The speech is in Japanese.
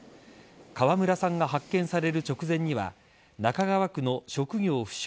川村さんが発見される直前には中川区の職業不詳